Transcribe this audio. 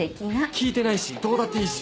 聞いてないしどうだっていいし